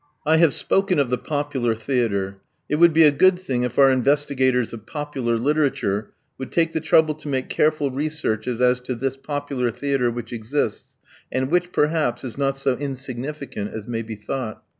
I have spoken of the popular theatre. It would be a good thing if our investigators of popular literature would take the trouble to make careful researches as to this popular theatre which exists, and which, perhaps, is not so insignificant as may be thought.